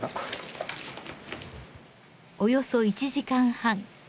およそ１時間半。